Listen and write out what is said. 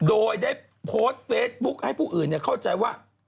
โดยได้โพสต์เฟซบุ๊คให้ผู้อื่นเข้าใจว่า